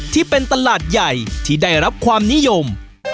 ที่เป็นตลาดใหญ่ที่ได้รับความนิยม